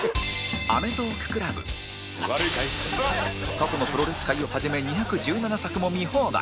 過去のプロレス回をはじめ２１７作も見放題